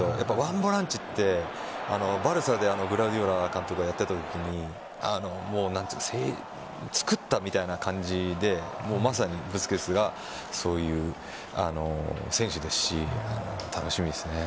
ボランチってバルサでグアルディオラ監督がやったときに作ったみたいな感じでまさにブスケツがそういう選手ですし楽しみですね。